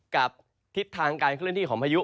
กับทิศทางการเคลื่อนที่ของพายุ